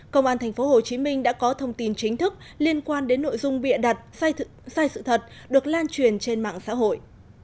công an tp hcm đã có thông tin chính thức liên quan đến nội dung bịa đặt sai sự thật được lan truyền trên mạng xã hội